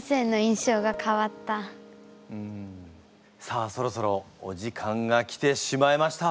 さあそろそろお時間が来てしまいました。